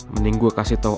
mending gue kasih tau